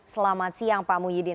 selamat siang pak muhyiddin